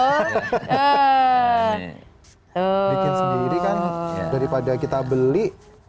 bikin sendiri kan daripada kita beli